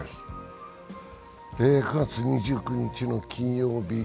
９月２９日の金曜日。